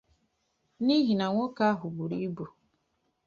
n'ihi na nwoke ahụ buru ibu